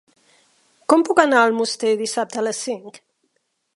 Com puc anar a Almoster dissabte a les cinc?